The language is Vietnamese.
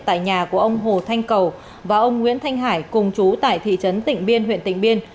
tại nhà của ông hồ thanh cầu và ông nguyễn thanh hải cùng chú tại thị trấn tỉnh biên huyện tỉnh biên